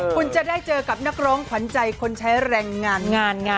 คุณจะได้เจอกับนักร้องขวัญใจคนใช้แรงงานงาน